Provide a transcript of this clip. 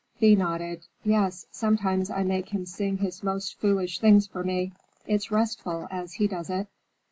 Thea nodded. "Yes; sometimes I make him sing his most foolish things for me. It's restful, as he does it.